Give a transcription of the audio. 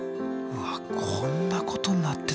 うわっこんなことになってたんだ。